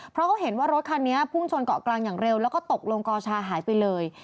เพราะเขาเห็นว่ารถคันนี้พุ่งชนเกาะกลางอย่างเร็วแล้วก็ตกลงกอชาหายไปเลย